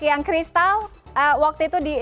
yang crystal waktu itu